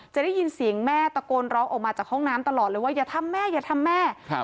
จะได้ยินเสียงแม่ตะโกนร้องออกมาจากห้องน้ำตลอดเลยว่าอย่าทำแม่